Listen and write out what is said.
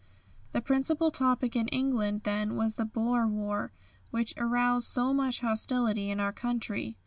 The principal topic in England then was the Boer War, which aroused so much hostility in our country.